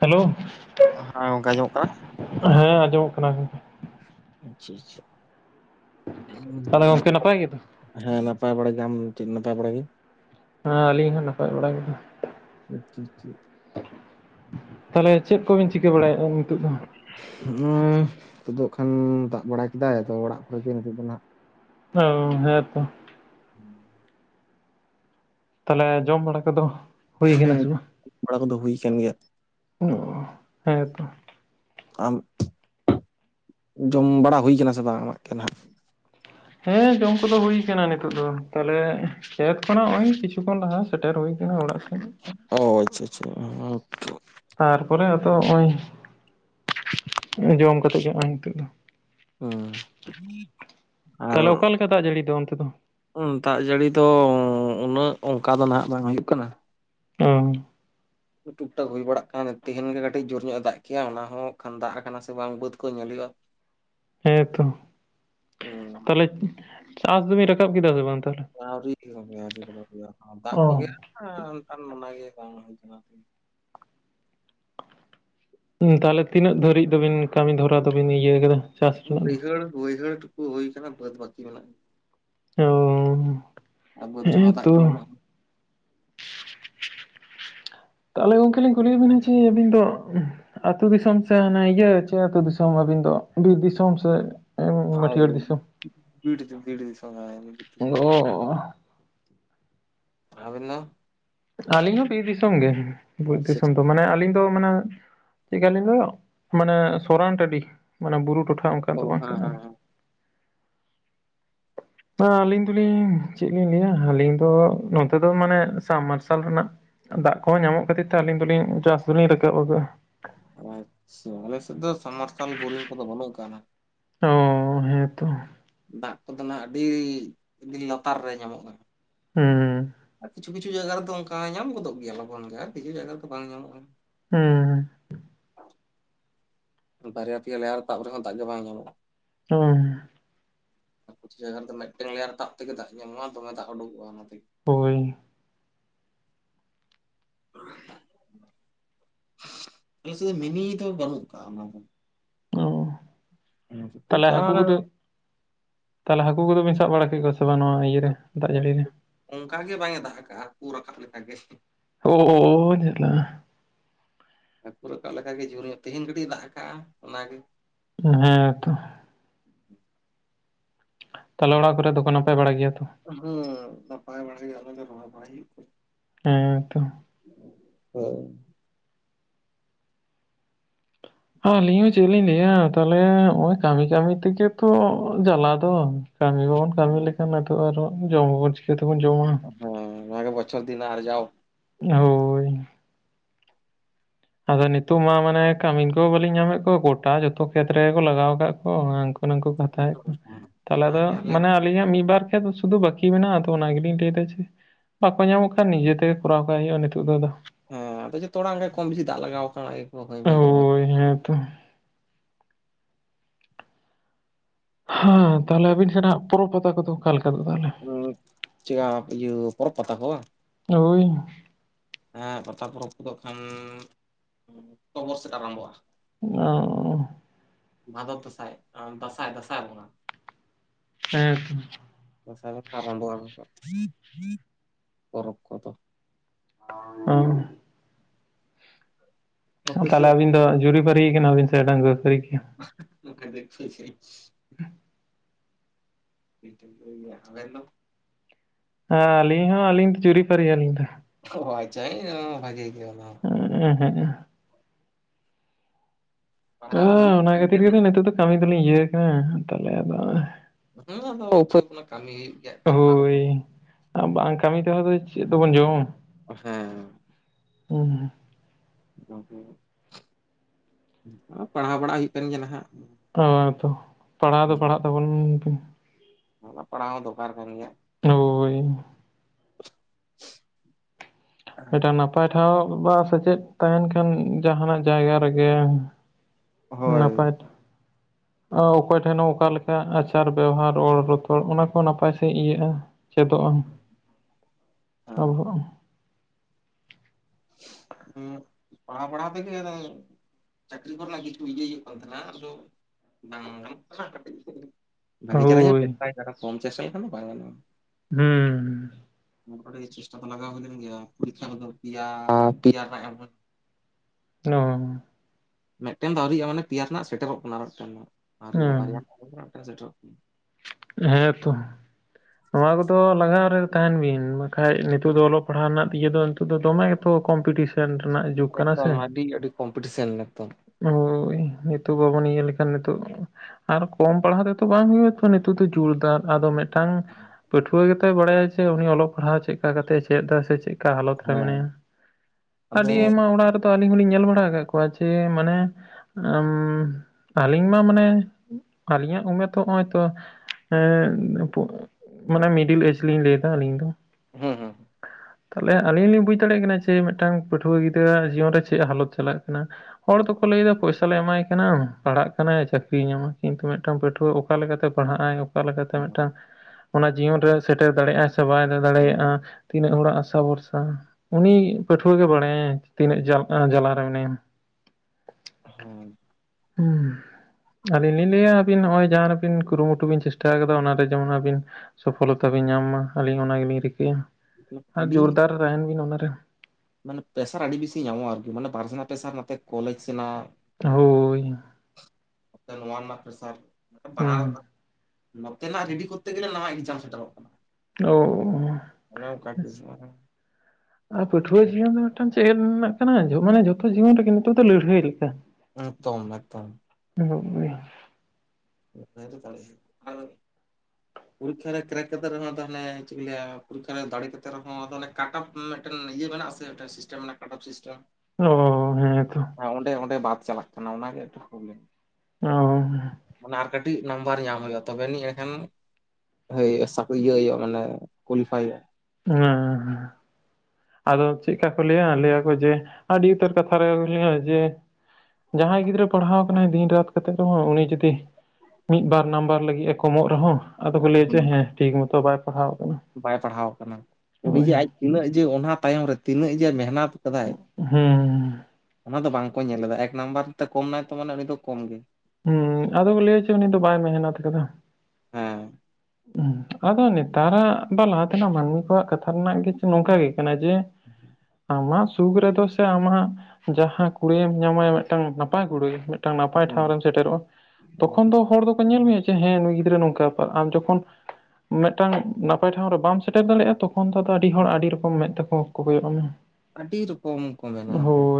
[inaudible] Hello ᱦᱮᱸ ᱜᱚᱝᱠᱮ ᱟᱸᱡᱚᱢᱚᱜ ᱠᱟᱱᱟ᱾ [inaudible] ᱦᱮᱸ ᱟᱸᱡᱚᱢᱚᱜ ᱠᱟᱱᱟ ᱜᱟᱝᱠᱮ ᱾ ᱟᱪᱪᱷᱟ ᱟᱪᱪᱷᱟ ᱛᱟᱦᱚᱞᱮ ᱜᱚᱝᱠᱮ ᱱᱟᱯᱟᱭ ᱜᱮᱛᱚ ᱦ [inaudible] ᱦᱮᱸ ᱱᱟᱯᱟᱭ ᱵᱟᱲᱟ ᱜᱮ ᱟᱢ ᱪᱮᱫ ᱱᱟᱯᱟᱭ ᱵᱟᱲᱟ ᱜᱤ? ᱦᱮᱸ ᱟᱹᱞᱤᱧ ᱦᱚᱸ ᱱᱟᱯᱟᱭ ᱵᱟᱲᱟ ᱜᱮ ᱾ ᱟᱪᱪᱷᱟ ᱟᱪᱪᱷᱟ᱾ ᱛᱟᱞᱚᱦᱮ ᱪᱮᱫ ᱠᱚ ᱵᱤᱱ ᱪᱤᱠᱟᱹ ᱵᱟᱲᱟᱭ ᱮᱫ-ᱟ ᱱᱤᱛᱚᱜ ᱫᱚ? [inaudible] ᱱᱚᱜ-ᱚᱭ ᱱᱤᱛᱚᱜ ᱫᱚ ᱠᱷᱟᱱ ᱫᱟᱜ ᱵᱟᱲᱟ ᱠᱮᱫᱟᱭ ᱟᱫᱚ ᱚᱲᱟᱜ ᱠᱚᱨᱮ ᱜᱮ ᱱᱤᱛᱚᱜ ᱫᱚ ᱱᱟᱦᱟᱜ ᱾ ᱚᱻ ᱦᱮᱸ ᱛᱚ [unintelligible] ᱛᱟᱦᱟᱞᱮ ᱡᱚᱢ ᱵᱟᱲᱟ ᱠᱚᱫᱚ? ᱦᱩᱭ ᱦᱮᱸ ᱠᱟᱱᱟ ᱥᱮ ᱵᱟᱝ ᱡᱚᱢ ᱵᱟᱲᱟ ᱠᱚᱫᱚ ᱦᱩᱭ ᱠᱟᱱ ᱜᱮᱭᱟ ᱾ ᱦᱮᱸᱛᱚ ᱟᱢ ᱡᱚᱢ ᱵᱟᱲᱟ ᱦᱩᱭ ᱠᱟᱱᱟ ᱥᱮ ᱵᱟᱝ ᱟᱢᱟᱜ ᱜᱮ ᱱᱟᱦᱟᱜ? ᱦᱮᱸ ᱡᱚᱢ ᱠᱚᱫᱚ ᱦᱩᱭ ᱠᱟᱱᱟ ᱱᱤᱛᱚᱜ ᱫᱚ ᱛᱟᱦᱚᱞᱮ ᱠᱷᱮᱛ ᱠᱷᱚᱱᱟᱜ ᱱᱚᱜ-ᱚᱭ ᱠᱤᱪᱷᱩ ᱠᱷᱚᱱ ᱞᱟᱦᱟ ᱥᱮᱴᱮᱨ ᱦᱩᱭ ᱠᱟᱱᱟ ᱚᱲᱟᱜ ᱥᱮᱫ ᱾ ᱚᱻ ᱟᱪᱪᱷᱟ ᱟᱪᱪᱷᱟ ᱛᱟᱨᱯᱚᱨᱮ ᱟᱫᱚ ᱦᱚᱸᱜ-ᱚᱭ ᱡᱚᱢ ᱠᱟᱛᱮᱫ ᱜᱮ ᱦᱚᱜ-ᱚᱭ ᱱᱤᱛᱚᱜ ᱫᱚ ᱚᱸ ᱟᱨ ᱛᱟᱦᱚᱞᱮ ᱚᱠᱟ ᱞᱮᱠᱟ ᱫᱟᱜ ᱡᱟᱹᱲᱤ ᱫᱚ ᱚᱱᱛᱮ ᱫᱚ ᱩᱸ ᱫᱟᱜ ᱡᱟᱹᱲᱤ ᱫᱚ ᱩᱱᱟᱹᱜ ᱚᱝᱠᱟ ᱫᱚ ᱱᱟᱦᱟᱜ ᱵᱟᱝ ᱦᱩᱭᱩᱜ ᱠᱟᱱᱟ ᱾ ᱚᱸᱻ ᱴᱩᱠ ᱴᱟᱠ ᱦᱩᱭ ᱵᱟᱲᱟᱜ ᱠᱟᱱ ᱛᱮᱦᱮᱧ ᱜᱮ ᱠᱟᱹᱴᱤᱡ ᱡᱳᱨ ᱧᱚᱜ ᱮ ᱫᱟᱜ ᱠᱮᱜ-ᱟᱭ ᱚᱱᱟ ᱦᱚᱸ ᱠᱷᱟᱱ ᱫᱟᱜ ᱟᱠᱟᱱᱟ ᱥᱮ ᱵᱟᱝ ᱵᱟᱹᱫᱽ ᱠᱚ ᱧᱮᱞ ᱦᱩᱭᱩᱜ-ᱟ ᱾ ᱦᱮᱸ ᱛᱚ ᱦᱩᱸ ᱛᱟᱦᱚᱞᱮ ᱪᱟᱥ ᱫᱚ ᱵᱤᱱ ᱨᱟᱠᱟᱵ ᱠᱮᱫᱟ ᱥᱮ ᱵᱟᱝ? ᱛᱟᱦᱚᱞᱮ ᱟᱣᱨᱤ ᱨᱟᱠᱟᱵ ᱦᱩᱭᱩᱜ-ᱟ ᱟᱣᱨᱤ ᱨᱟᱠᱟᱵ ᱦᱩᱭᱩᱜ-ᱟ ᱫᱟᱜ ᱚ ᱠᱚᱜᱮ ᱢᱟ ᱚᱱᱠᱟᱱ ᱢᱚᱱᱮ ᱜᱮ ᱵᱟᱝ ᱦᱩᱭ ᱠᱟᱱᱟ ᱾ ᱛᱟᱦᱚᱞᱮ ᱛᱤᱱᱟᱹᱜ ᱫᱷᱟᱹᱨᱤᱡ ᱫᱚ ᱵᱤᱱ ᱠᱟᱹᱢᱤ ᱫᱷᱚᱨᱟ ᱫᱚᱵᱤᱱ ᱤᱭᱟᱹ ᱠᱟᱫᱟ? ᱪᱟᱥ ᱨᱮᱱᱟᱜ ᱫᱚ? ᱵᱟᱹᱭᱦᱟᱹᱲ ᱵᱟᱹᱭᱦᱟᱹᱲ ᱴᱩᱠᱩ ᱦᱩᱭ ᱠᱟᱱᱟ ᱵᱟᱹᱫᱽ ᱵᱟᱹᱠᱤ ᱢᱮᱱᱟᱜ-ᱟ? ᱚᱸᱻ ᱟᱨ ᱵᱟᱹᱫᱽ ᱨᱮᱦᱚᱸ ᱫᱟᱜ ᱜᱮ ᱵᱟᱱᱩᱜ-ᱟ ᱾ ᱛᱟᱦᱚᱞᱮ ᱜᱚᱢᱠᱮ ᱞᱤᱧ ᱠᱩᱞᱤᱭᱮᱫ ᱵᱤᱱᱟ ᱡᱮ ᱟᱹᱵᱤᱱ ᱫᱚ ᱟᱹᱛᱩ ᱫᱤᱥᱚᱢ ᱥᱮ ᱦᱟᱱᱮ ᱤᱭᱟᱹ ᱪᱮᱫ ᱟᱹᱛᱩ ᱫᱤᱥᱚᱢ ᱟᱹᱵᱤᱱ ᱫᱚ ᱵᱤᱨ ᱫᱤᱥᱚᱢ ᱥᱮ? ᱢᱟᱹᱴᱭᱟᱹᱲ ᱦᱳᱭ ᱫᱤᱥᱚᱢ? ᱵᱤᱨ ᱫᱤᱥᱚᱢ ᱵᱤᱨ ᱫᱤᱥᱚᱢ ᱾ ᱜᱚᱝᱠᱮ ᱚᱻ ᱟᱹᱵᱤᱱ ᱫᱚ ᱟᱹᱞᱤᱧ ᱦᱚᱸ ᱵᱤᱨ ᱫᱤᱥᱚᱢ ᱜᱮ ᱵᱤᱨ ᱟᱪᱪᱷᱟ ᱫᱤᱥᱚᱢ ᱫᱚ ᱢᱟᱱᱮ ᱟᱹᱞᱤᱧ ᱫᱚ ᱢᱟᱱᱮ ᱪᱮᱫ ᱞᱮᱠᱟ ᱞᱤᱧ ᱞᱟᱹᱭᱟ ᱾ ᱢᱟᱱᱮ ᱥᱚᱨᱟᱱ ᱴᱟᱺᱰᱤ ᱢᱟᱱᱮ ᱵᱩᱨᱩ ᱴᱚᱴᱷᱟ ᱚ ᱚᱱᱠᱟ ᱫᱚ ᱵᱟᱝ ᱦᱮᱸ ᱦᱮᱸ ᱠᱟᱱᱟ ᱾ ᱦᱮᱸ ᱟᱹᱞᱤᱧ ᱫᱚᱞᱤᱧ ᱪᱮᱫ ᱞᱤᱧ ᱞᱟᱹᱭᱟ ᱟᱹᱞᱤᱧ ᱫᱚ ᱱᱚᱛᱮ ᱫᱚ ᱢᱟᱱᱮ ᱥᱟᱵ-ᱢᱟᱨᱥᱟᱞ ᱨᱮᱱᱟᱜ ᱫᱟᱜ ᱠᱚᱦᱚᱸ ᱧᱟᱢᱚᱜ ᱠᱷᱟᱹᱛᱤᱨ ᱛᱮ ᱟᱞᱤᱧ ᱫᱚᱞᱤᱧ ᱪᱟᱥ ᱫᱚᱞᱤᱧ ᱨᱟᱠᱟᱵ ᱟᱠᱟᱜ-ᱟ᱾ ᱟᱪᱪᱷᱟ, ᱟᱞᱮ ᱥᱮᱫ ᱫᱚ ᱥᱟᱵ-ᱢᱟᱨᱥᱟᱞ ᱵᱳᱞᱮᱲ ᱠᱚᱫᱚ ᱵᱟᱹᱱᱩᱜ ᱠᱟᱜ-ᱟ᱾ ᱚᱱᱟ ᱚ ᱦᱮᱸ ᱛᱚ, ᱫᱟᱜ ᱠᱚᱫᱚ ᱱᱟᱜ ᱟᱹᱰᱤ ᱟᱹᱫᱤ ᱞᱟᱛᱟᱨ ᱨᱮ ᱧᱟᱢᱚᱜ-ᱟ᱾ ᱦᱩᱸ, ᱠᱤᱪᱷᱩ ᱠᱤᱪᱷᱩ ᱡᱟᱭᱜᱟ ᱨᱮᱫᱚ ᱚᱱᱠᱟ ᱧᱟᱢ ᱜᱚᱫᱚᱜ ᱜᱮᱭᱟ ᱞᱚᱜᱚᱱ ᱜᱮ ᱟᱨ ᱠᱤᱪᱷᱩ ᱡᱟᱭᱜᱟ ᱨᱮ ᱫᱚ ᱵᱟᱝ ᱧᱟᱢᱚᱜ-ᱟ᱾ ᱦᱩᱸ, ᱵᱟᱨᱭᱟ ᱯᱮᱭᱟ ᱞᱮᱭᱟᱨ ᱛᱟᱵ ᱨᱮᱦᱚᱸ ᱫᱟᱜ ᱜᱮ ᱵᱟᱝ ᱧᱟᱢᱚᱜ-ᱟ᱾ ᱦᱩᱸ, ᱟᱨ ᱠᱤᱪᱷᱩ ᱡᱟᱭᱜᱟ ᱨᱮᱫᱚ ᱢᱮᱫᱴᱮᱱ ᱞᱮᱭᱟᱨ ᱛᱟᱵ ᱛᱮᱜᱮ ᱫᱟᱜ ᱧᱟᱢᱚᱜ-ᱟ, ᱫᱚᱢᱮ ᱫᱟᱜ ᱩᱰᱩᱠᱚᱜ-ᱟ ᱚᱱᱟ ᱛᱮᱜᱮ᱾ ᱦᱳᱭ, ᱟᱞᱮ ᱥᱮᱫ ᱫᱚ ᱢᱤᱱᱤ ᱛᱚ ᱵᱟᱹᱱᱩᱜ ᱠᱟᱜ-ᱟ ᱚᱱᱟ ᱫᱚ᱾ ᱚ, ᱚᱱᱟ ᱠᱷᱟᱹᱛᱤᱨ ᱛᱟᱦᱚᱞᱮ ᱦᱟᱹᱠᱩ ᱡᱟᱦᱟᱸ [unintelligible] ᱛᱟᱦᱚᱞᱮ ᱦᱟᱹᱠᱩ ᱠᱚᱫᱚ ᱵᱤᱱ ᱥᱟᱵ ᱵᱟᱲᱟ ᱠᱮᱫ ᱠᱚᱣᱟ ᱥᱮ ᱵᱟᱝ ᱱᱚᱣᱟ ᱤᱭᱟᱹ ᱨᱮ ᱫᱟᱜ ᱡᱟᱹᱲᱤ ᱨᱮ? ᱚᱱᱠᱟ ᱜᱮ ᱵᱟᱝ ᱮ ᱫᱟᱜ ᱠᱟᱜ-ᱟ ᱦᱟ. ᱠᱩ ᱨᱟᱠᱟᱵ ᱞᱮᱠᱟ ᱜᱮ᱾ ᱳᱻ ᱡᱟᱞᱟ᱾ ᱦᱟᱹᱠᱩ ᱨᱟᱠᱟᱵ ᱞᱮᱠᱟ ᱜᱮ ᱡᱩᱨ ᱧᱚᱜ ᱛᱤᱦᱤᱧ ᱠᱟᱹᱴᱤᱡ ᱫᱟᱜ ᱠᱟᱜ-ᱟ ᱚᱱᱟ ᱜᱮ᱾ ᱦᱮᱸ ᱛᱚ, ᱛᱟᱦᱚᱞᱮ ᱚᱲᱟᱜ ᱠᱚᱨᱮ ᱫᱚᱠᱚ ᱱᱟᱯᱟᱭ ᱵᱟᱲᱟ ᱜᱮᱭᱟ ᱛᱚ? ᱦᱩᱸ ᱱᱟᱯᱟᱭ ᱵᱟᱲᱟ ᱜᱮ ᱟᱞᱮ ᱫᱚ ᱨᱚᱦᱚᱭ ᱵᱟᱲᱟᱭ ᱦᱩᱭᱩᱜ ᱛᱮ᱾ ᱦᱮᱸ ᱛᱚ, [unintelligible] ᱟᱹᱞᱤᱧ ᱦᱚᱸ ᱪᱮᱫ ᱞᱤᱧ ᱞᱟᱹᱭᱟ ᱛᱟᱦᱚᱞᱮ ᱱᱚᱜ-ᱚᱭ ᱠᱟᱹᱢᱤ ᱠᱟᱹᱢᱤ ᱛᱮᱜᱮ ᱛᱚ ᱡᱟᱞᱟ ᱫᱚ᱾ ᱠᱟᱹᱢᱤ ᱵᱟᱵᱚᱱ ᱠᱟᱹᱢᱤ ᱞᱮᱠᱷᱟᱱ ᱱᱤᱛᱚᱜ ᱟᱨᱚ ᱡᱚᱢ ᱟᱵᱚᱱ ᱪᱤᱠᱟᱹ ᱛᱮᱵᱚᱱ ᱡᱚᱢᱟ᱾ ᱦᱮᱸ ᱚᱱᱟ ᱜᱮ ᱵᱚᱪᱷᱚᱨ ᱫᱤᱱ ᱨᱮᱱᱟᱜ ᱟᱨᱡᱟᱣ᱾ ᱦᱳᱭ, ᱟᱫᱚ ᱱᱤᱛᱚᱜ ᱢᱟ ᱢᱟᱱᱮ ᱠᱟᱹᱢᱤᱱ ᱠᱚᱦᱚᱸ ᱵᱟᱹᱞᱤᱧ ᱧᱟᱢ ᱮᱫ ᱠᱚᱣᱟ, ᱜᱚᱴᱟ ᱡᱚᱛᱚ ᱠᱷᱮᱛ ᱨᱮᱜᱮ ᱠᱚ ᱞᱟᱜᱟᱣ ᱟᱠᱟᱫ ᱠᱚ᱾ ᱩᱱᱠᱩ ᱠᱷᱚᱱ ᱩᱱᱠᱩ ᱠᱚ ᱦᱟᱛᱟᱣ ᱮᱫ ᱠᱚᱣᱟ ᱛᱟᱦᱞᱮ ᱫᱚ ᱚᱱᱟᱜᱮ ᱟᱞᱮ ᱢᱟᱱᱮ ᱦᱚᱸ ᱟᱹᱞᱤᱧᱟᱜ ᱢᱤᱫ, ᱵᱟᱨ ᱠᱷᱮᱛ ᱫᱚ ᱥᱩᱫᱩ ᱵᱟᱹᱠᱤ ᱢᱮᱱᱟᱜ-ᱟ, ᱛᱚ ᱚᱱᱟ ᱜᱮᱞᱤᱧ ᱞᱟᱹᱭ ᱮᱫᱟ ᱡᱮ ᱵᱟᱠᱚ ᱧᱟᱢᱚᱜ ᱠᱷᱟᱱ ᱱᱤᱡᱮ ᱛᱮ ᱜᱮ ᱠᱚᱨᱟᱣ ᱠᱟᱜ ᱦᱩᱭᱩᱜ-ᱟ ᱱᱤᱛᱳᱜ ᱫᱚ ᱟᱫᱚ᱾ ᱦᱚᱸ ᱟᱫᱚ ᱡᱷᱚᱛᱚ ᱜᱮ ᱠᱚᱢ ᱵᱤᱥᱤ ᱫᱟᱜ ᱞᱟᱜᱟᱣ ᱟᱠᱟᱱᱟ ᱚᱱᱟ ᱜᱮ ᱠᱚ ᱦᱟᱹᱭ ᱯᱷᱟᱹᱭ ᱨᱚᱦᱚᱭ᱾ ᱦᱳᱭ ᱦᱮᱸ ᱛᱚ, ᱦᱮᱸ ᱛᱟᱦᱚᱞᱮ ᱟᱵᱤᱱ ᱥᱮᱱᱟᱜ ᱯᱚᱨᱚᱵᱽ, ᱯᱟᱛᱟ ᱠᱚᱫᱚ ᱚᱠᱟ ᱞᱮᱠᱟ ᱫᱚ ᱛᱟᱦᱚᱞᱮ? ᱩᱸ ᱪᱟᱯ ᱤᱭᱟᱹ ᱯᱚᱨᱚᱵᱽ, ᱯᱟᱛᱟ ᱠᱚ ᱵᱟᱝ᱾ ᱦᱳᱭ, ᱦᱮᱸ ᱯᱟᱛᱟ, ᱯᱚᱨᱚᱵᱽ ᱠᱚᱫᱚ ᱠᱷᱟᱱ ᱚᱠᱴᱚᱵᱚᱨ ᱥᱮᱫ ᱟᱨᱟᱢᱵᱷᱚᱜ-ᱟ᱾ ᱚᱸᱻ ᱵᱷᱟᱫᱚᱨ ᱫᱟᱥᱟᱭ, ᱫᱟᱥᱟᱭ ᱫᱟᱥᱟᱭ ᱵᱚᱸᱜᱟ᱾ ᱦᱮᱸ, ᱫᱟᱥᱟᱭ ᱵᱚᱸᱜᱟ ᱟᱨᱟᱢ ᱵᱚᱜ-ᱟ, ᱯᱚᱨᱚᱵᱽ ᱠᱚᱫᱚ᱾ ᱩᱸ ᱟ ᱟᱯᱮ ᱛᱟᱦᱚᱞᱮ ᱥᱮᱫ ᱟᱹᱵᱤᱱ ᱫᱚ ᱡᱩᱨᱤ-ᱯᱟᱹᱨᱤ ᱠᱟᱱᱟ ᱵᱤᱱ ᱥᱮ ᱰᱟᱸᱜᱩᱣᱟᱹ ᱛᱮᱜᱮ᱾ [unintelligible] ᱤᱧ ᱰᱟᱹᱜᱟᱹᱭ ᱜᱮᱭᱟ ᱟᱵᱮᱱ ᱫᱚ? ᱦᱮᱸ ᱟᱹᱞᱤᱧ ᱦᱚᱸ ᱟᱹᱞᱤᱧ ᱫᱚ ᱡᱩᱨᱤᱯᱟᱹᱨᱤ ᱟᱹᱞᱤᱧ ᱫᱚ᱾ ᱦᱚ ᱟᱪᱷᱟ ᱤᱧ ᱵᱷᱟᱜᱤ ᱜᱮ ᱚᱱᱟ ᱦᱚᱸ ᱦᱮᱸᱦᱮᱸ ᱯᱟᱲᱦᱟᱣ ᱦᱮᱸ ᱦᱩᱭᱩᱜ ᱚᱱᱟ ᱠᱟᱱ ᱠᱷᱟᱹᱛᱤᱨ ᱜᱮᱭᱟ ᱜᱮᱛᱚ ᱱᱟᱜ ᱱᱤᱛᱚᱜ ᱫᱚ ᱠᱟᱹᱢᱤ ᱫᱚᱞᱤᱧ ᱤᱭᱟᱹ ᱠᱟᱱᱟ ᱛᱟᱦᱚᱞᱮ ᱟᱫᱚᱼᱼ ᱦᱮᱸ ᱟᱫᱚ ᱩᱯᱟᱹᱭ ᱨᱮᱱᱟᱜ ᱠᱟᱹᱢᱤ ᱦᱩᱭᱩᱜ ᱜᱮᱭᱟ ᱚᱱᱟ ᱠᱚ ᱫᱚᱼᱼᱼ ᱦᱳᱭ ᱟᱨ ᱵᱟᱝ ᱠᱟᱹᱢᱤ ᱛᱮᱦᱚᱸ ᱪᱮᱫ ᱫᱚ ᱵᱚᱱ ᱡᱚᱢᱼᱼᱼ ᱦᱮᱸᱼᱼᱼ ᱦᱩᱸ ᱯᱟᱲᱦᱟᱣ ᱵᱟᱲᱟᱜ ᱦᱩᱭᱩᱜ ᱠᱟᱱ ᱜᱮᱭᱟ ᱱᱟᱦᱟᱜᱼᱼᱼ ᱦᱳ ᱛᱚ ᱯᱟᱲᱦᱟᱣ ᱫᱚ ᱯᱟᱲᱦᱟᱜ ᱛᱟᱵᱚᱱ ᱯᱮᱼᱼᱼ ᱚᱱᱟᱫᱚ ᱯᱟᱲᱦᱟᱣ ᱦᱚᱸ ᱫᱚᱨᱠᱟᱨ ᱠᱟᱱ ᱜᱮᱭᱟᱼᱼ ᱦᱚᱭᱼᱼᱼ [inaudible] ᱢᱤᱫᱴᱟᱱ ᱱᱟᱯᱟᱭ ᱴᱷᱟᱶ ᱵᱟ ᱥᱮᱪᱮᱫ ᱛᱟᱦᱮᱱ ᱠᱷᱟᱱ ᱡᱟᱦᱟᱸᱱᱟᱜ ᱡᱟᱭᱜᱟ ᱨᱮᱜᱮᱼᱼᱼᱼ ᱦᱳᱭ ᱱᱟᱯᱟᱭ ᱫᱚᱼᱼᱼ ᱚᱠᱚᱭ ᱴᱷᱮᱱ ᱦᱚᱸ ᱚᱠᱟᱞᱮᱠᱟ ᱟᱪᱟᱨ ᱵᱮᱣᱦᱟᱨ ᱨᱚᱲ ᱨᱚᱛᱚᱲ ᱚᱱᱟ ᱠᱚ ᱱᱟᱯᱟᱭ ᱥᱟᱦᱤᱡ ᱤᱭᱟᱹᱜᱼᱟ᱾ ᱪᱮᱫᱚᱜ ᱦᱮᱸ ᱥᱟᱵᱚᱦᱚᱜᱼᱟ᱾ ᱦᱩᱸ ᱯᱟᱲᱦᱟᱣ ᱯᱟᱲᱦᱟᱣ ᱛᱮᱜᱮ ᱮᱠᱫᱚᱢᱼᱼ ᱪᱟᱹᱠᱨᱤ ᱠᱚᱨᱮᱱᱟᱜ ᱠᱤᱪᱷᱩ ᱤᱭᱟᱹ ᱦᱩᱭᱩᱜ ᱠᱟᱱ ᱛᱟᱸᱦᱮᱱᱟ ᱟᱫᱚ ᱵᱟᱝ ᱜᱟᱱᱚᱜ ᱠᱟᱱᱟ ᱠᱟᱴᱤᱡᱼᱼᱼᱼ ᱵᱷᱟᱜᱮ ᱪᱮᱦᱨᱟ ᱧᱚᱜ ᱦᱳᱭ ᱪᱮᱥᱴᱟᱭ ᱠᱚᱢ ᱪᱮᱥᱴᱟᱭ ᱞᱮᱠᱷᱟᱱ ᱫᱚ ᱵᱟᱝ ᱜᱟᱱᱚᱜᱼᱟ᱾ ᱦᱩᱸᱼᱼᱼ ᱪᱮᱥᱴᱟ ᱛᱚ ᱞᱟᱜᱟᱣ ᱦᱩᱭ ᱞᱮᱱ ᱜᱮᱭᱟ ᱯᱚᱨᱤᱠᱷᱟ ᱠᱚᱫᱚ ᱯᱮᱭᱟ ᱯᱮᱭᱟ ᱨᱮᱱᱟᱜ ᱮᱢ ᱦᱩᱭ ᱞᱮᱱᱟ᱾ ᱱᱚᱼᱼ ᱢᱮᱜᱴᱮᱱ ᱫᱚ ᱟᱹᱣᱨᱤᱭᱟᱼᱟ ᱢᱟᱱᱮ ᱯᱮᱭᱟ ᱨᱮᱱᱟᱜ ᱥᱮᱴᱮᱨᱚᱜ ᱠᱟᱱᱟ ᱟᱨ ᱢᱮᱜᱴᱮᱱ ᱫᱚ ᱦᱟᱸᱜ ᱦᱩᱸ ᱵᱟᱨᱭᱟ ᱵᱟᱨᱭᱟ ᱢᱮᱜᱴᱮᱱ ᱥᱮᱴᱮᱨᱚᱜ ᱠᱟᱱᱟ᱾ ᱦᱮᱸ ᱛᱚ ᱱᱚᱣᱟ ᱠᱚᱫᱚ ᱞᱟᱜᱟᱣ ᱨᱮ ᱛᱟᱦᱮᱱ ᱵᱤᱱ᱾ ᱵᱟᱠᱷᱟᱡ ᱱᱤᱛᱚᱜ ᱫᱚ ᱚᱞᱚᱜ ᱯᱟᱲᱦᱟᱣ ᱨᱮᱱᱟᱜ ᱤᱭᱮ ᱫᱚ ᱱᱤᱛᱚᱜ ᱫᱚᱢᱮ ᱜᱮᱛᱚ ᱠᱚᱢᱯᱤᱴᱤᱥᱮᱱ ᱨᱮᱱᱟᱜ ᱡᱩᱜᱼᱼᱼ ᱮᱠᱫᱚᱢ ᱟᱹᱰᱤ ᱟᱹᱰᱤ ᱠᱚᱢᱯᱤᱴᱤᱥᱮᱱ ᱮᱠᱫᱚᱢ ᱦᱳᱭ ᱱᱤᱛᱚᱜ ᱵᱟᱵᱚᱱ ᱤᱭᱟᱹ ᱞᱮᱠᱷᱟᱱ ᱱᱤᱛᱚᱜ ᱟᱨ ᱠᱚᱢ ᱯᱟᱲᱦᱟᱜ ᱛᱮᱛᱚ ᱵᱟᱝ ᱦᱩᱭᱩᱜ- ᱟ ᱛᱚ ᱱᱤᱛᱚᱜᱼᱼᱼ ᱱᱤᱛᱚᱜ ᱫᱚ ᱡᱳᱨᱫᱟᱨ ᱟᱫᱚ ᱢᱮᱜᱴᱟᱝᱼᱼ ᱯᱟᱹᱴᱷᱩᱣᱟᱹ ᱜᱮᱛᱚᱭ ᱵᱟᱲᱟᱭᱟ ᱡᱮ ᱩᱱᱤ ᱚᱞᱚᱜ ᱯᱟᱲᱦᱟᱣ ᱪᱮᱫ ᱞᱮᱠᱟ ᱠᱟᱛᱮ ᱮ ᱪᱮᱫ ᱫᱟ ᱥᱮ ᱪᱮᱫ? ᱠᱟ ᱦᱟᱞᱚᱛ ᱨᱮ ᱦᱮᱸ ᱢᱮᱱᱟᱭᱟ ᱟᱫᱚ ᱟᱹᱰᱤ ᱟᱭᱢᱟ ᱚᱲᱟᱜ ᱨᱮ ᱫᱚᱼᱼᱼ ᱛᱚ ᱟᱞᱤᱧ ᱦᱚᱞᱤᱧ ᱧᱮᱞ ᱵᱟᱲᱟ ᱟᱠᱟᱫ ᱠᱚᱣᱟ ᱡᱮ ᱢᱟᱱᱮᱼᱼᱼ ᱩ ᱟᱹᱞᱤᱧ ᱢᱟ ᱢᱟᱱᱮ ᱟᱹᱞᱤᱧᱟᱜ ᱩᱢᱮᱨ ᱦᱚᱜᱼᱚᱭ ᱛᱚᱼᱼ ᱦᱮᱸ ᱢᱟᱱᱮ ᱢᱤᱰᱤᱞ ᱮᱡᱽ ᱞᱤᱧ ᱞᱟᱹᱭ ᱮᱫᱟ ᱟᱹᱞᱤᱧ ᱫᱚ᱾ ᱦᱩᱸ ᱦᱩᱸᱼᱼ [inaudible] ᱛᱟᱦᱚᱞᱮ ᱟᱹᱞᱤᱧ ᱞᱤᱧ ᱵᱩᱡᱽ ᱫᱟᱲᱮᱭᱟᱜ ᱠᱟᱱᱟ ᱡᱮ ᱢᱤᱫᱴᱟᱱ ᱯᱟᱹᱴᱷᱩᱣᱟᱹ ᱜᱤᱫᱟᱹᱨ ᱡᱤᱭᱚᱱ ᱨᱮ ᱪᱮᱫ ᱦᱟᱞᱚᱛ ᱪᱟᱞᱟᱜ ᱠᱟᱱᱟ᱾ ᱦᱚᱲ ᱫᱚᱠᱚ ᱞᱟᱹᱭᱮᱫᱟ ᱯᱚᱭᱥᱟᱞᱮ ᱮᱢᱟᱭ ᱠᱟᱱᱟ ᱯᱟᱲᱦᱟᱜ ᱠᱟᱱᱟᱭ ᱪᱟᱹᱠᱨᱤᱭ ᱧᱟᱢᱟ ᱠᱤᱱᱛᱩ ᱢᱤᱫᱴᱟᱝ ᱯᱟᱹᱴᱷᱩᱣᱟᱹ ᱚᱠᱟ ᱞᱮᱠᱟᱛᱮᱼᱼᱼ ᱯᱟᱲᱦᱟᱜ ᱟᱭ ᱚᱠᱟ ᱞᱮᱠᱟᱛᱮ ᱢᱮᱜᱴᱟᱝ ᱚᱱᱟ ᱡᱤᱭᱚᱱ ᱨᱮ ᱥᱮᱴᱮᱨ ᱫᱟᱲᱮᱭᱟᱜᱼ ᱟᱭ ᱥᱮ ᱵᱟᱭ ᱦᱩᱸ ᱫᱟᱲᱮᱭᱟᱜᱼᱟ᱾ ᱛᱤᱱᱟᱹᱜ ᱦᱚᱲᱟᱜ ᱟᱥᱟ ᱵᱷᱚᱨᱥᱟ᱾ ᱩᱱᱤ ᱯᱟᱹᱴᱷᱩᱣᱟᱹᱭ ᱜᱮ ᱵᱟᱲᱟᱭᱟ ᱛᱤᱱᱟᱹᱜ ᱡᱟᱞᱟᱨᱮ ᱡᱟᱞᱟ ᱨᱮ ᱢᱮᱱᱟᱭᱟ᱾ ᱦᱮᱸᱼᱼ ᱦᱩᱸ ᱟᱹᱞᱤᱧ ᱞᱤᱧ ᱞᱟᱹᱭᱟ ᱟᱹᱵᱤᱱ ᱱᱚᱜᱼᱚᱭ ᱡᱟᱦᱟᱸᱵᱤᱱ ᱠᱩᱨᱩᱢᱩᱴᱩ ᱵᱤᱱ ᱪᱮᱥᱴᱟ ᱠᱟᱫᱟ ᱚᱱᱟᱼᱼ ᱡᱮᱢᱚᱱ ᱟᱹᱵᱤᱱ ᱥᱚᱯᱷᱚᱞᱚᱛᱟ ᱵᱤᱱ ᱧᱟᱢ ᱢᱟ ᱟᱹᱞᱤᱧ ᱚᱱᱟ ᱜᱮᱞᱤᱧ ᱨᱤᱠᱟᱹᱭᱟ᱾ ᱢᱚᱛᱞᱚᱵ ᱟᱨ ᱟᱹᱰᱤ᱾ ᱡᱳᱨᱫᱟᱨ ᱛᱟᱦᱮᱱ ᱵᱤᱱ ᱚᱱᱟᱨᱮ ᱢᱟᱱᱮ ᱯᱮᱥᱟᱨ ᱟᱹᱰᱤ ᱵᱮᱥᱤ ᱧᱟᱢᱚᱜᱼᱟ ᱟᱨᱠᱤ ᱢᱟᱱᱮ ᱯᱟᱨ ᱥᱮᱱᱟᱜ ᱯᱮᱥᱟᱨ ᱱᱚᱛᱮ ᱠᱚᱞᱮᱡ ᱥᱮᱱᱟᱜ ᱦᱳᱭ ᱱᱚᱛᱮ ᱱᱚᱣᱟ ᱨᱮᱱᱟᱜ ᱯᱮᱥᱟᱨ ᱵᱟᱱᱟᱨ ᱦᱩᱸ ᱱᱚᱛᱮᱱᱟᱜ ᱨᱮᱰᱤ ᱠᱚᱨᱛᱮ ᱜᱮᱞᱮ ᱱᱟᱣᱟ ᱮᱠᱡᱟᱢ ᱥᱮᱴᱮᱨᱚᱜ ᱠᱟᱱᱟ᱾ ᱚᱱᱮ ᱚᱱᱠᱟ ᱮᱠᱫᱚᱢ ᱚᱻ ᱯᱟᱹᱴᱷᱩᱣᱟᱹ ᱡᱤᱭᱚᱱ ᱪᱮᱫ ᱨᱮᱱᱟᱜ ᱠᱟᱱᱟ ᱢᱟᱱᱮ ᱡᱚᱛᱚ ᱡᱤᱵᱚᱱ ᱨᱮᱜᱮ ᱱᱤᱛᱚᱜ ᱫᱚ ᱞᱟᱹᱲᱦᱟᱹᱭ ᱞᱮᱠᱟ, ᱮᱠᱫᱚᱢ ᱮᱠᱫᱚᱢ [unintelligible] [inaudible] ᱯᱚᱨᱤᱠᱷᱟ ᱨᱮ ᱠᱨᱮᱠ ᱠᱟᱛᱮ ᱨᱮᱦᱚᱸ ᱛᱟᱦᱚᱞᱮ ᱪᱮᱫ ᱞᱟᱹᱭᱟ ᱯᱚᱨᱤᱠᱷᱟ ᱨᱮ ᱫᱟᱲᱮ ᱠᱟᱛᱮ ᱨᱮᱦᱚᱸ ᱛᱚ ᱚᱱᱮ ᱠᱟᱴᱟᱯ ᱢᱤᱫᱴᱮᱱ ᱤᱭᱟᱹ ᱢᱮᱱᱟᱜᱼᱟ ᱟᱥᱮ ᱥᱤᱥᱴᱮᱢ ᱢᱮᱱᱟᱜᱼᱟ ᱠᱟᱴᱟᱯ ᱥᱤᱥᱴᱮᱢ, ᱚ ᱦᱮᱸᱛᱚ ᱦᱮᱸ ᱚᱸᱰᱮ ᱚᱸᱰᱮ ᱵᱟᱫ ᱪᱟᱞᱟᱜ ᱠᱟᱱᱟ ᱚᱱᱟ ᱜᱮ ᱮᱠᱴᱩ ᱯᱨᱚᱵᱞᱮᱢ᱾ ᱚᱻ ᱢᱟᱱᱮ ᱟᱨ ᱠᱟᱹᱴᱤᱡ ᱱᱟᱢᱵᱟᱨ ᱧᱟᱢ ᱦᱩᱭᱩᱜᱼᱟ ᱛᱚᱵᱮᱱᱤᱡ ᱮᱱᱰᱮᱠᱷᱟᱱ [unintelligible] ᱤᱭᱟᱹ ᱦᱩᱭᱩᱜᱼᱟ ᱢᱟᱱᱮ ᱠᱚᱞᱤᱯᱷᱟᱭ ᱦᱩᱭᱩᱜ-ᱟ᱾ ᱦᱩᱸ ᱦᱩᱸ ᱟᱫᱚ ᱪᱮᱫᱠᱟ ᱠᱚ ᱞᱟᱹᱭᱟ ᱞᱟᱹᱭᱟ ᱠᱚ ᱡᱮ ᱟᱹᱰᱤ ᱩᱛᱟᱹᱨ ᱠᱟᱛᱷᱟ ᱨᱮ ᱞᱟᱹᱭᱟ ᱡᱮ ᱡᱟᱦᱟᱸᱭ ᱜᱤᱫᱽᱨᱟᱹ ᱯᱟᱲᱦᱟᱣ ᱟᱠᱟᱱᱟᱭ ᱫᱤᱱ ᱨᱟᱛ ᱠᱟᱛᱮᱫ ᱨᱮᱦᱚᱸ ᱩᱱᱤ ᱡᱩᱫᱤ ᱢᱤᱫ ᱵᱟᱨ ᱱᱟᱢᱵᱟᱨ ᱞᱟᱹᱜᱤᱫ ᱮ ᱠᱚᱢᱚᱜ ᱨᱮᱦᱚᱸ ᱟᱫᱚ ᱠᱚ ᱞᱟᱹᱭᱟ ᱪᱮ ᱦᱩᱭᱩᱜᱼᱟ ᱦᱮᱸ ᱴᱷᱤᱠ ᱢᱚᱛᱚ ᱵᱟᱭ ᱯᱟᱲᱦᱟᱣ ᱠᱟᱱᱟ᱾ ᱵᱟᱭ ᱯᱟᱲᱦᱟᱣ ᱟᱠᱟᱱᱟ ᱩᱱᱤ ᱦᱳᱭ ᱡᱮ ᱟᱡ ᱛᱤᱱᱟᱹᱜ ᱡᱮ ᱚᱱᱟ ᱛᱟᱭᱚᱢ ᱨᱮ ᱛᱤᱱᱟᱹᱜ ᱡᱮ ᱢᱮᱦᱱᱚᱛ ᱠᱟᱫᱟᱭ ᱦᱩᱸ ᱚᱱᱟ ᱫᱚ ᱵᱟᱝ ᱠᱚ ᱧᱮᱞ ᱞᱮᱫᱟ ᱮᱠ ᱱᱟᱢᱵᱟᱨ ᱛᱮ ᱠᱚᱢ ᱱᱟᱭ ᱛᱚ ᱢᱟᱱᱮ ᱩᱱᱤ ᱫᱚ ᱠᱚᱢ ᱜᱮ ᱾ ᱦᱩᱸ ᱟᱫᱚ ᱠᱚ ᱞᱟᱹᱭ ᱟᱪᱮ ᱩᱱᱤ ᱫᱚ ᱵᱟᱭ ᱢᱮᱦᱚᱱᱚᱛ ᱠᱟᱫᱟ ᱾ ᱦᱮᱸ [unintelligible] ᱟᱫᱚ ᱱᱮᱛᱟᱨᱟᱜ ᱫᱚ ᱞᱟᱦᱟ ᱛᱮᱱᱟᱜ ᱢᱟᱹᱱᱢᱤ ᱠᱚᱣᱟᱜ ᱠᱟᱛᱷᱟ ᱨᱮᱱᱟᱜ ᱜᱮᱪ ᱱᱚᱝᱠᱟ ᱜᱮ ᱠᱟᱱᱟ ᱡᱮ [inaudible] ᱟᱢᱟᱜ ᱥᱩᱠ ᱨᱮᱫᱚ ᱥᱮ ᱟᱢᱟᱜ ᱡᱟᱦᱟᱸ ᱠᱩᱲᱟᱹᱭ ᱭᱮᱢ ᱧᱟᱢᱟᱭ ᱢᱤᱫᱴᱟᱝ ᱱᱟᱯᱟᱭ ᱠᱩᱲᱟᱹᱭ ᱾ ᱢᱤᱫᱴᱟᱝ ᱱᱟᱯᱟᱭ ᱴᱷᱟᱶ ᱨᱮᱢ ᱥᱮᱴᱮᱨᱚᱜᱼᱟ ᱛᱚᱠᱷᱚᱱ ᱫᱚ ᱦᱚᱲ ᱫᱚᱠᱚ ᱧᱮᱞ ᱢᱮᱭᱟ ᱾ ᱦᱮᱸ ᱱᱩᱭ ᱜᱤᱫᱽᱨᱟᱹ ᱱᱚᱝᱠᱟ ᱵᱮᱯᱟᱨ ᱟᱢ ᱡᱚᱠᱷᱚᱱ ᱢᱮᱫᱴᱟᱝ ᱱᱟᱯᱟᱭ ᱴᱷᱟᱶ ᱨᱮ ᱵᱟᱢ ᱥᱮᱴᱮᱨ ᱫᱟᱲᱮᱜᱼᱟ ᱛᱚ ᱠᱷᱚᱱ ᱫᱚ ᱟᱹᱰᱤ ᱦᱚᱲ ᱟᱹᱰᱤ ᱨᱚᱠᱚᱢ ᱢᱮᱫ ᱛᱮᱠᱚ ᱠᱚ ᱠᱚᱭᱚᱜ ᱟᱢᱟ ᱾ ᱟᱰᱤ ᱨᱚᱠᱚᱢ ᱠᱚ ᱢᱮᱱᱟ [unintelligible] ᱾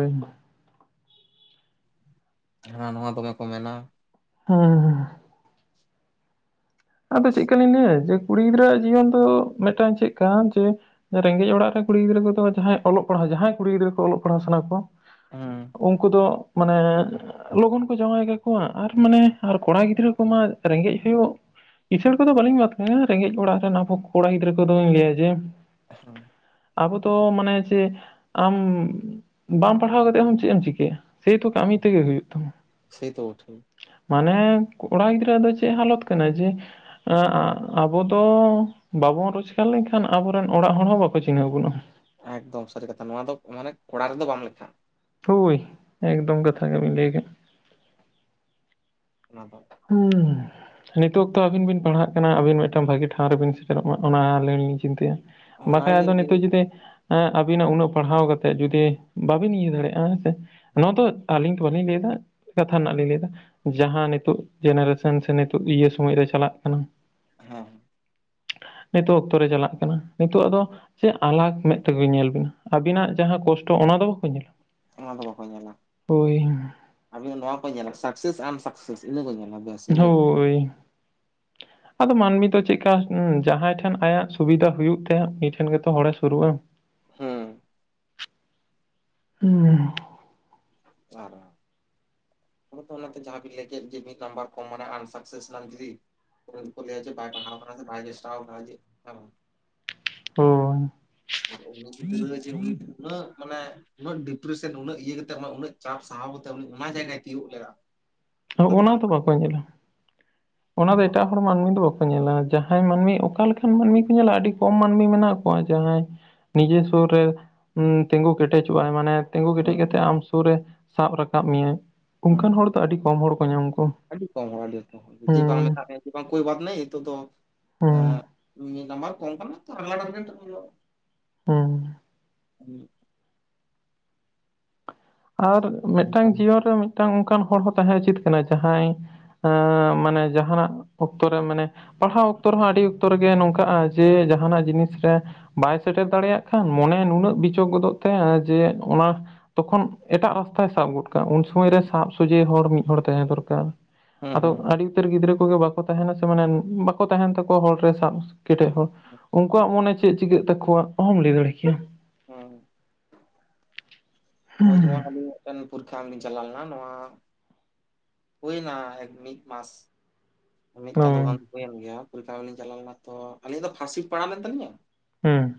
ᱦᱟᱱᱟ ᱱᱟᱣᱟ ᱫᱚᱢᱮ ᱠᱚ ᱢᱮᱱᱟ ᱾ ᱦᱮᱸᱻ᱾ ᱟᱫᱚ ᱪᱮᱫ ᱠᱟᱞᱤᱧ ᱞᱟᱹᱭᱟ ᱡᱮ ᱠᱩᱲᱤ ᱜᱤᱫᱽᱨᱟᱹ ᱟᱜ ᱡᱤᱭᱚᱱ ᱫᱚ ᱢᱤᱫᱴᱟᱝ ᱪᱮᱫ ᱠᱟᱱᱟ ᱡᱮ ᱨᱮᱸᱜᱮᱡ ᱚᱲᱟᱜ ᱨᱮ ᱠᱩᱲᱤ ᱜᱤᱫᱽᱨᱟᱹ ᱠᱚᱫᱚ ᱡᱟᱦᱟᱸᱭ ᱚᱞᱚᱜ ᱯᱟᱲᱦᱟᱣ ᱡᱟᱦᱟᱸᱭ ᱠᱩᱲᱤ ᱜᱤᱫᱽᱨᱟᱹ ᱠᱚ ᱚᱞᱚᱜ ᱯᱟᱲᱦᱟᱣ ᱥᱟᱱᱟ ᱠᱚ, ᱦᱮᱸ ᱩᱝᱠᱩ ᱫᱚ, ᱢᱟᱱᱮ ᱞᱚᱜᱚᱱ ᱠᱚ ᱡᱟᱶᱟᱭ ᱠᱟᱠᱚᱣᱟ ᱟᱨ ᱢᱟᱱᱮ ᱟᱨ ᱠᱚᱲᱟ ᱜᱤᱫᱽᱨᱟᱹ ᱠᱚᱢᱟ ᱨᱮᱸᱜᱮᱡ ᱦᱳᱭᱩᱜ ᱠᱥᱟᱹᱬ ᱠᱚᱫᱚ ᱵᱟᱹᱞᱤᱧ [unintelligible] ᱮᱸᱻ ᱨᱮᱸᱜᱮᱡ ᱚᱲᱟᱜ ᱨᱮᱱ ᱟᱵᱚ ᱠᱚᱲᱟ ᱜᱤᱫᱽᱨᱟᱹ ᱠᱚᱫᱚᱧ ᱞᱟᱹᱭᱟ ᱡᱮ ᱾ [inaudible] ᱟᱵᱚ ᱫᱚ ᱢᱟᱱᱮ ᱡᱮ ᱾ ᱟᱢ ᱵᱟᱢ ᱯᱟᱲᱦᱟᱣ ᱠᱟᱛᱮᱜ ᱦᱚᱸᱢ ᱪᱮᱜ ᱮᱢ ᱪᱤᱠᱟᱹᱭᱟ ᱥᱮᱭ ᱛᱚ ᱠᱟᱹᱢᱤ ᱛᱮᱜᱮ ᱦᱩᱭᱩᱜ ᱛᱟᱢᱟ ᱾ ᱥᱮᱭᱛᱚ ᱵᱚᱴᱷᱮ ᱾ ᱢᱟᱱᱮ ᱠᱚᱲᱟ ᱜᱤᱫᱽᱨᱟᱹᱣᱟᱜ ᱫᱚ ᱪᱮᱫ ᱦᱟᱞᱚᱛ ᱠᱟᱱᱟ ᱡᱮ ᱾ ᱟᱹᱻ ᱟᱹᱻ ᱟᱵᱚ ᱫᱚ ᱵᱟᱵᱚᱱ ᱨᱚᱪᱠᱟᱨ ᱞᱮᱱᱠᱷᱟᱱ ᱟᱵᱚᱨᱮᱱ ᱚᱲᱟᱜ ᱦᱚᱲ ᱦᱚᱸ ᱵᱟᱠᱚ ᱪᱤᱱᱦᱟᱹᱣ ᱵᱚᱱᱟ ᱾ ᱮᱠᱫᱚᱢ ᱥᱟᱹᱨᱤ ᱠᱟᱛᱷᱟ ᱱᱚᱣᱟ ᱫᱚ ᱢᱟᱱᱮᱜ ᱠᱚᱲᱟ ᱨᱮᱫᱚ ᱵᱟᱢ ᱞᱮᱠᱷᱟᱜ-ᱟ ᱾ ᱦᱳᱭ ᱮᱠᱫᱚᱢ ᱠᱟᱛᱷᱟ ᱜᱮᱵᱮᱱ ᱞᱟᱹᱭ ᱠᱟᱜᱼᱟ ᱾ ᱚᱱᱟ ᱫᱚ, ᱦᱩᱸᱢ ᱱᱤᱛᱚᱜ ᱚᱠᱛᱚ ᱟᱹᱵᱤᱱ ᱵᱤᱱ ᱯᱟᱲᱦᱟᱜ ᱠᱟᱱᱟ ᱟᱹᱵᱤᱱ ᱢᱤᱫᱴᱟᱝ ᱵᱷᱟᱹᱜᱤ ᱴᱷᱟᱶ ᱨᱮᱵᱤᱱ ᱥᱮᱴᱮᱨᱚᱜ ᱢᱟ ᱚᱱᱟ ᱟᱞᱤᱧ ᱞᱤᱧ ᱪᱤᱱᱛᱟᱹᱭᱟ ᱾ ᱵᱟᱠᱷᱟᱡ ᱚᱱᱟᱜᱮ ᱟᱫᱚ ᱦᱮᱸ ᱱᱤᱛᱚᱜ ᱡᱩᱫᱤ ᱮᱜ ᱟᱵᱤᱱᱟᱜ ᱩᱱᱟᱹᱜ ᱯᱟᱲᱦᱟᱣ ᱠᱟᱛᱮᱫ ᱡᱩᱫᱤ ᱵᱟᱵᱤᱱ ᱤᱭᱟᱹ ᱫᱟᱲᱮᱜᱼᱟ ᱦᱮᱸᱥᱮ ᱱᱚᱣᱟ ᱫᱚ ᱟᱹᱞᱤᱧ ᱛᱚ ᱵᱟᱞᱤᱧ ᱞᱟᱹᱭᱮᱫᱟ ᱠᱟᱛᱷᱟ ᱨᱮᱱᱟᱜ ᱞᱤᱧ ᱞᱟᱹᱭᱮᱫᱟ ᱡᱟᱦᱟᱸ ᱱᱤᱛᱚᱜ, ᱡᱮᱱᱟᱨᱮᱥᱮᱱ ᱥᱮ ᱱᱤᱛᱚᱜ ᱤᱭᱟᱹ ᱥᱚᱢᱚᱭ ᱨᱮ ᱪᱟᱞᱟᱜ ᱠᱟᱱᱟ ᱾ ᱦᱚᱸ ᱱᱤᱛᱚᱜ ᱚᱠᱛᱚ ᱨᱮ ᱪᱟᱞᱟᱜ ᱠᱟᱱᱟ ᱱᱤᱛᱚᱜ ᱟᱫᱚ, ᱪᱮ ᱟᱞᱟᱜ ᱢᱮᱫ ᱴᱷᱮᱡ ᱵᱤᱱ ᱧᱮᱞ ᱵᱤᱱ ᱟᱹᱵᱤᱱᱟᱜ ᱡᱟᱦᱟᱸ ᱠᱚᱥᱴᱚ ᱚᱱᱟ ᱫᱚ ᱵᱟᱠᱚ ᱧᱮᱞᱟ ᱾ ᱚᱱᱟ ᱫᱚ ᱵᱟᱠᱚ ᱧᱮᱞᱟ ᱾ ᱟᱵᱤᱱᱟᱜ ᱱᱚᱣᱟ ᱠᱚ ᱧᱮᱞᱟ ᱥᱟᱠᱥᱮᱥ ᱟᱱ ᱥᱟᱠᱥᱮᱥ ᱤᱱᱟᱹ ᱠᱚ ᱧᱮᱞᱟ ᱵᱮᱥ ᱤᱱᱟᱹ ᱜᱮ ᱾ ᱦᱳᱭ ᱟᱫᱚ ᱢᱟᱹᱱᱢᱤ ᱫᱚ ᱪᱮᱜᱠᱟ ᱩᱸ ᱡᱟᱦᱟᱸᱭ ᱴᱷᱮᱱ ᱟᱭᱟᱜ ᱥᱩᱵᱤᱫᱟ ᱦᱩᱭᱩᱜ ᱛᱟᱭᱟ ᱩᱱᱤ ᱴᱷᱮᱱ ᱜᱮᱛᱚ ᱦᱚᱲᱮ ᱥᱩᱨᱩᱜᱼᱟ ᱾ ᱦᱩᱸᱢ [unintelligible] ᱟᱨ ᱚᱱᱟᱛ ᱚᱱᱟᱛᱮ ᱡᱟᱦᱟᱸᱵᱤᱱ ᱞᱟᱹᱭ ᱠᱮᱫ ᱡᱮ ᱢᱤᱫ ᱱᱟᱢᱵᱟᱨ ᱠᱚᱢ ᱢᱟᱱᱮ ᱟᱱ ᱥᱟᱠᱥᱮᱥ ᱱᱟᱢ ᱡᱩᱫᱤ, ᱚᱱᱟ ᱫᱚᱠᱚ ᱞᱟᱹᱭᱟ ᱡᱮ ᱵᱟᱭ ᱯᱟᱲᱦᱟᱣ ᱠᱟᱱᱟ ᱥᱮ ᱵᱟᱭ ᱪᱮᱥᱴᱟᱣ ᱠᱟᱫᱟ ᱡᱮ ᱦᱮᱸᱵᱟᱝ ᱾ ᱦᱳᱭ ᱟᱨ ᱩᱱᱤ ᱡᱮ ᱛᱤᱱᱟᱹᱜ ᱡᱮ ᱩᱱᱤ ᱩᱱᱟᱹᱜ ᱢᱟᱱᱮ ᱩᱱᱟᱹᱜ ᱰᱤᱯᱨᱮᱥᱮᱱ ᱩᱱᱟᱹ ᱤᱭᱟᱹ ᱠᱟᱛᱮ ᱚᱱᱟ ᱩᱱᱟᱹᱜ ᱪᱟᱯ ᱥᱟᱦᱟᱣ ᱠᱟᱛᱮ ᱩᱱᱤ ᱚᱱᱟ ᱡᱟᱭᱜᱟᱭ ᱛᱤᱭᱳᱜ ᱞᱮᱫᱟ ᱾ ᱦᱚᱸ ᱚᱱᱟ ᱫᱚ ᱵᱟᱠᱚ ᱧᱮᱞᱟ, ᱚᱱᱟ ᱦᱮᱸ ᱫᱚ ᱮᱴᱟᱜ ᱦᱚᱲ ᱢᱟᱹᱱᱢᱤ ᱫᱚ ᱵᱟᱠᱚ ᱧᱮᱞᱟ ᱡᱟᱦᱟᱸᱭ ᱢᱟᱱᱢᱤ ᱚᱠᱟ ᱞᱮᱠᱟᱱ ᱢᱟᱱᱢᱤ ᱠᱚ ᱧᱮᱞᱟ ᱟᱰᱤ ᱠᱚᱢ ᱢᱟᱱᱢᱤ ᱢᱮᱱᱟᱜ ᱠᱚ ᱾ ᱱᱚᱜᱼᱚᱭ ᱡᱟᱦᱟᱸᱭ ᱱᱤᱡᱮ ᱥᱩᱨ ᱨᱮ ᱦᱩᱸ ᱛᱤᱸᱜᱩ ᱠᱮᱴᱮᱡᱚᱜᱼᱟᱭ ᱢᱟᱱᱮ, ᱛᱤᱸᱜᱩ ᱠᱮᱴᱮᱡ ᱠᱟᱛᱮ ᱟᱢ ᱥᱩᱨ ᱨᱮ ᱥᱟᱵ ᱨᱟᱠᱟᱵ ᱢᱮᱭᱟᱭ ᱦᱮᱸ ᱚᱱᱠᱟᱱ ᱦᱚᱲ ᱫᱚ ᱟᱹᱰᱤ ᱠᱚᱢ ᱦᱚᱲ ᱠᱚ ᱧᱟᱢ ᱠᱚᱣᱟ ᱾ ᱟᱹᱰᱤ ᱠᱚᱢ ᱦᱚᱲ ᱟᱹᱰᱤ ᱠᱚᱢ ᱡᱮ ᱵᱟᱝ ᱢᱮᱛᱟᱜ ᱢᱮᱭᱟ ᱡᱮ ᱵᱟᱝ ᱠᱳᱭ ᱵᱟᱛ ᱱᱮᱦᱤ ᱮᱭᱮ ᱛᱳ ᱛᱳᱢ ᱮᱻ ᱦᱩᱸ ᱢᱤᱜ ᱱᱟᱢᱵᱟᱨ ᱠᱚᱢ ᱠᱟᱱᱟ ᱛᱚ [unintelligible] ᱦᱩᱸ [inaudible] ᱟᱨ ᱚᱱᱠᱟ ᱢᱤᱫᱴᱟᱝ ᱡᱤᱭᱚᱱ ᱨᱮ ᱢᱤᱫᱴᱟᱝ ᱚᱱᱠᱟᱱ ᱦᱚᱲ ᱦᱚᱸ ᱛᱟᱦᱮᱸ ᱩᱪᱤᱛ ᱠᱟᱱᱟ ᱡᱟᱦᱟᱸᱭᱼᱼ ᱮᱻ ᱢᱟᱱᱮ ᱡᱟᱦᱟᱱᱟᱜ ᱚᱠᱛᱚ ᱨᱮ ᱢᱟᱱᱮ ᱯᱟᱲᱦᱟᱣ ᱚᱠᱛᱚ ᱨᱮᱦᱚᱸ ᱟᱹᱰᱤ ᱚᱠᱛᱚ ᱨᱮᱜᱮ ᱱᱚᱝᱠᱟᱜᱼᱟ ᱡᱮ ᱡᱟᱦᱟᱱᱟᱜ ᱡᱤᱱᱤᱥ ᱨᱮ ᱵᱟᱭ ᱥᱮᱴᱮᱨ ᱫᱟᱲᱮᱭᱟᱜ ᱠᱷᱟᱱ ᱢᱚᱱᱮ ᱱᱩᱱᱟᱹᱜ ᱵᱤᱪᱷᱳᱠ ᱜᱚᱫᱚᱜ ᱛᱟᱭᱟ ᱡᱮ ᱚᱱᱟ ᱛᱚᱠᱷᱚᱱ ᱮᱴᱟᱜ ᱨᱟᱥᱛᱟᱭ ᱥᱟᱵ ᱜᱚᱫ ᱠᱟᱜᱼᱟ ᱩᱱ ᱥᱩᱢᱚᱭ ᱨᱮ ᱥᱟᱵ ᱥᱚᱡᱷᱮ ᱦᱚᱲ ᱢᱤᱫ ᱦᱚᱲ ᱛᱟᱦᱮᱸ ᱫᱚᱨᱠᱟᱨ ᱦᱮᱸ ᱟᱫᱚ ᱦᱮᱸ ᱦᱮᱸ ᱟᱹᱰᱤᱼᱼ ᱠᱷᱟᱹᱛᱤᱨ ᱜᱤᱫᱽᱨᱟᱹ ᱠᱚᱜᱮ ᱵᱟᱠᱚ ᱛᱟᱦᱮᱱᱟ ᱥᱮ ᱢᱟᱱᱮ ᱵᱟᱠᱚ ᱛᱟᱦᱮᱱ ᱛᱟᱠᱚᱣᱟ ᱦᱚᱲ ᱨᱮ ᱥᱟᱵ ᱠᱮᱴᱮᱡ ᱦᱚᱲ᱾ [inaudible] ᱩᱱᱠᱩᱣᱟᱜ ᱢᱚᱱᱮ ᱪᱮᱜ ᱪᱤᱠᱟᱹᱜ ᱛᱟᱠᱚᱣᱟ ᱚᱦᱚᱢ ᱞᱟᱹᱭ ᱫᱟᱲᱮ ᱠᱮᱭᱟ ᱾ ᱦᱚᱸ ᱦᱚᱜ-ᱚᱭ ᱡᱮᱢᱚᱱ ᱟᱹᱞᱤᱧ ᱢᱤᱫᱴᱮᱱ ᱯᱚᱨᱤᱠᱷᱟ ᱮᱢ ᱞᱤᱧ ᱪᱟᱞᱟᱣ ᱞᱮᱱᱟ ᱱᱚᱣᱟᱼᱼ ᱦᱩᱭᱱᱟ ᱮᱠ ᱢᱤᱫ ᱢᱟᱥ᱾ ᱢᱤᱫ ᱪᱟᱸᱫᱳ ᱜᱟᱱ ᱦᱩᱸ ᱦᱳᱭᱮᱱ ᱜᱮᱭᱟ ᱯᱚᱨᱤᱠᱷᱟ ᱮᱢᱞᱤᱧ ᱪᱟᱞᱟᱣ ᱞᱮᱱᱟ, ᱛᱚ ᱟᱹᱞᱤᱧ ᱫᱚ ᱯᱷᱟᱥᱴ ᱥᱤᱯᱴ ᱯᱟᱲᱟᱣ ᱞᱮᱱ ᱛᱟᱞᱤᱧᱟ ᱦᱩᱸ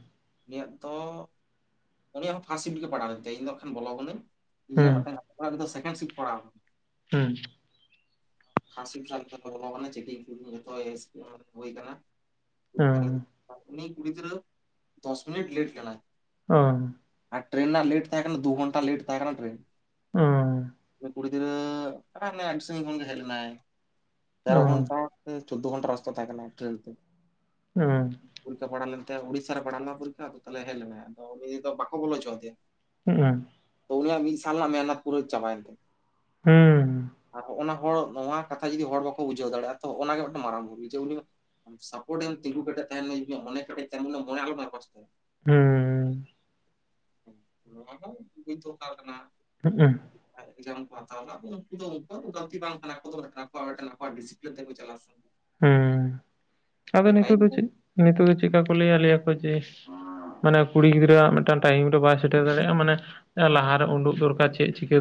ᱩᱱᱤᱭᱟᱜ ᱛᱚᱻ ᱩᱱᱤᱭᱟᱜ ᱦᱚᱸ ᱯᱷᱟᱥᱴ ᱥᱤᱴ ᱜᱮ ᱯᱟᱲᱟᱣᱞᱮᱱ ᱛᱟᱭᱟ ᱤᱧ ᱫᱚ ᱱᱟᱠᱷᱟᱱ ᱵᱚᱞᱚ ᱠᱟᱹᱱᱟᱹᱧ᱾ ᱤᱧ ᱟᱨ ᱦᱩᱸ ᱢᱤᱫ ᱴᱟᱝ ᱜᱟᱛᱮ ᱠᱚᱲᱟ ᱩᱱᱤ ᱫᱚ ᱥᱮᱠᱮᱱᱰ ᱥᱤᱯᱴ ᱯᱟᱲᱟᱣ ᱞᱮᱱᱟ ᱾ ᱦᱩᱸ [unintelligible] ᱵᱚᱞᱚ ᱠᱟᱱᱟ ᱪᱮᱠᱮᱝ [unintelligible] ᱡᱚᱛᱚ [unintelligible] ᱦᱳᱭ ᱠᱟᱱᱟ ᱾ [inaudible] ᱩᱱᱤ ᱠᱩᱲᱤ ᱜᱤᱫᱽᱨᱟᱹ ᱫᱚᱥ ᱢᱤᱱᱤᱴ ᱞᱮᱴ ᱞᱮᱱᱟᱭ᱾ ᱚᱻ᱾ ᱟᱨ ᱴᱮᱨᱮᱱ ᱨᱮᱱᱟᱜ ᱞᱮᱴ ᱛᱟᱦᱮᱸ ᱠᱟᱱᱟ ᱫᱩ ᱜᱷᱚᱱᱴᱟ ᱞᱮᱴ ᱛᱟᱦᱮᱸ ᱠᱟᱱᱟ ᱴᱮᱨᱮᱱ᱾ ᱠᱩᱲᱤ ᱜᱤᱫᱽᱟᱹ ᱟᱹᱰᱤ ᱥᱟᱜᱤᱧ ᱠᱷᱚᱱ ᱜᱮ ᱦᱮᱡ ᱞᱮᱱᱟᱭ [unintelligible] ᱪᱳᱫᱫᱳ ᱜᱷᱚᱱᱴᱟ ᱨᱟᱥᱛᱟ ᱛᱟᱦᱮᱸ ᱠᱟᱱᱟ ᱴᱮᱨᱮᱱ ᱛᱮ᱾ ᱦᱩᱸ᱾ ᱯᱚᱨᱤᱠᱷᱟ ᱯᱟᱲᱟᱣ ᱞᱮᱱ ᱛᱟᱭᱟ ᱩᱲᱤᱥᱥᱟ ᱨᱮ ᱯᱟᱲᱟᱣ ᱞᱮᱱᱟ ᱯᱚᱨᱤᱠᱷ ᱟᱫᱚ ᱛᱟᱦᱚᱞᱮ ᱦᱮᱡ ᱞᱮᱱᱟᱭ ᱟᱫᱚ ᱩᱱᱤ ᱫᱚ ᱵᱟᱠᱚ ᱵᱚᱞᱪᱚ ᱟᱫᱮᱭᱟ᱾ ᱦᱩᱸ᱾ ᱩᱱᱤᱭᱟᱜ ᱢᱤᱫ ᱥᱟᱞ ᱨᱮᱱᱟᱜ ᱢᱮᱦᱚᱱᱟᱛ ᱯᱩᱨᱟᱹ ᱪᱟᱵᱟᱭᱮᱱ ᱛᱟᱭᱟ ᱟᱨ ᱦᱚᱸᱜ-ᱚ ᱱᱚᱣᱟᱼᱼ ᱦᱚᱲ ᱱᱚᱣᱟ ᱠᱟᱛᱷᱟ ᱡᱩᱫᱤ ᱦᱚᱲ ᱵᱟᱠᱚ ᱵᱩᱡᱷᱟᱹᱣ ᱫᱟᱲᱮᱭᱟᱜᱼᱟ ᱛᱚ ᱚᱱᱟᱜᱮ ᱢᱤᱫᱴᱟᱝ ᱢᱟᱨᱟᱝ ᱵᱷᱩᱞ ᱡᱮ ᱩᱱᱤ ᱼᱼ ᱥᱟᱯᱚᱴ ᱮᱢ ᱛᱤᱸᱜᱩ ᱠᱮᱴᱮᱡ ᱛᱟᱦᱮᱱ ᱢᱮ ᱢᱚᱱᱮ ᱠᱮᱴᱮᱡ [unintelligible] ᱢᱚᱱᱮ ᱟᱞᱚᱢ ᱱᱟᱨᱵᱟᱥ ᱛᱟᱭᱟ᱾ ᱦᱩᱸᱻ᱾ ᱱᱚᱣᱟ ᱫᱚ ᱵᱩᱡ ᱫᱚᱨᱠᱟᱨ ᱠᱟᱱᱟ᱾ ᱦᱩᱸᱜᱼᱩ ᱾ ᱡᱮᱢᱚᱱ ᱠᱚ ᱦᱟᱛᱟᱣ ᱫᱟᱜ ᱩᱱᱠᱩ ᱫᱚ ᱩᱱᱠᱩ ᱜᱟᱛᱤ ᱵᱟᱝ ᱠᱟᱱᱟ ᱟᱠᱚᱣᱟᱜ ᱢᱤᱫᱴᱟᱝ ᱰᱤᱥᱤᱯᱞᱤᱱ ᱛᱮᱠᱚ ᱪᱟᱞᱟᱜ-ᱟ᱾ [inaudible] ᱦᱩᱸ ᱟᱫᱳ ᱱᱤᱛᱚᱜ ᱫᱚ ᱪᱮᱫ? ᱱᱤᱛᱚᱜ ᱫᱚ ᱪᱮᱫᱠᱟ ᱠᱚ ᱞᱟᱹᱭᱟ ᱞᱮᱭᱟ ᱠᱚ ᱡᱮ ᱢᱟᱱᱮ ᱠᱩᱲᱤ ᱜᱤᱫᱽᱨᱟᱹᱣᱟᱜ ᱢᱤᱫᱴᱟᱝ ᱴᱟᱭᱤᱢ ᱨᱮ ᱵᱟᱭᱼᱼ ᱥᱮᱴᱮᱨ ᱫᱟᱲᱮᱭᱟᱜᱼᱟ ᱢᱟᱱᱮ ᱞᱟᱦᱟᱨᱮ ᱩᱰᱩᱜ ᱫᱚᱨᱠᱟᱨ ᱪᱮᱫ ᱪᱤᱠᱟᱹ